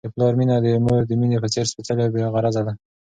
د پلار مینه د مور د مینې په څېر سپیڅلې او بې غرضه ده.